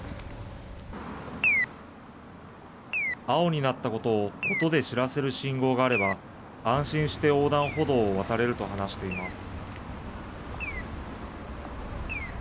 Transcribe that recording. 青になったことを音で知らせる信号があれば、安心して横断歩道を渡れると話しています。